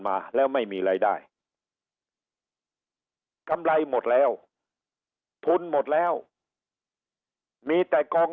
มาแล้วไม่มีรายได้กำไรหมดแล้วทุนหมดแล้วมีแต่กอง